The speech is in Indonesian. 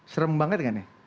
serem banget nggak nih